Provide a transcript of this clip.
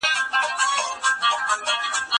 چايي د زهشوم له خوا څښل کيږي!